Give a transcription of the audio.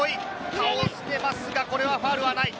倒されますがこれはファウルはない。